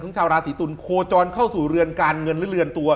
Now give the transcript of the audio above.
ของชาวราศีตุลโคจรเข้าคือเรือนการเงินรั่วตัว